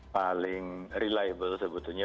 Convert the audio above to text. paling reliable sebetulnya